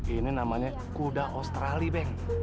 ini namanya kuda australia bank